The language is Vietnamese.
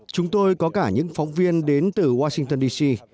chúng tôi có cả những phóng viên đến từ washington dc